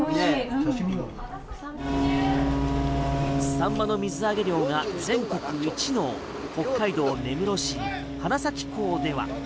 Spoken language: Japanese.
サンマの水揚げ量が全国一の北海道根室市・花咲港では。